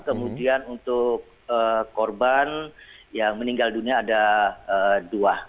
kemudian untuk korban yang meninggal dunia ada dua